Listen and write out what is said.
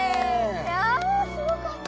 いやすごかった。